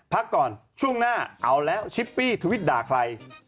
พักก่อนช่วงหน้าเอาแล้วชิปปี้ทวิตด่าใคร